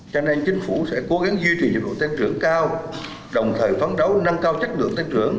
cho nên chính phủ sẽ cố gắng duy trì nhiệm vụ tăng trưởng cao đồng thời phán đấu nâng cao chất lượng tăng trưởng